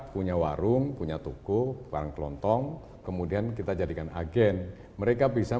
punya warung punya toko barang kelontong kemudian kita jadikan agen mereka bisa